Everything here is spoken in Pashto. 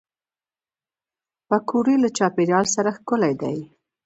پکورې له چاپېریال سره ښکلي دي